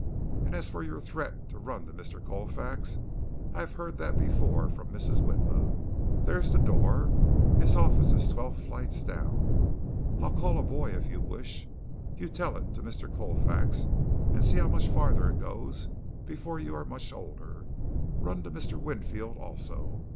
And as for your threat to run to Mr. Colfax, I have heard that before from Mrs. Witla. There is the door. His office is twelve flights down. I'll call a boy, if you wish. You tell it to Mr. Colfax and see how much farther it goes before you are much older. Run to Mr. Winfield also.